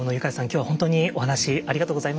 今日は本当にお話ありがとうございました。